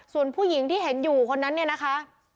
ส่วนผู้หญิงที่เห็นอยู่คนนั้นเนี่ยนะคะ